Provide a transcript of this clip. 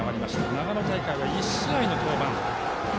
長野大会は１試合の登板。